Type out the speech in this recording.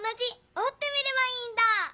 おってみればいいんだ！